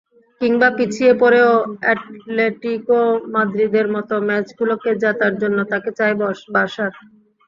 কিংবা পিছিয়ে পড়েও অ্যাটলেটিকো মাদ্রিদের মতো ম্যাচগুলোতে জেতার জন্য তাঁকে চাই বার্সার।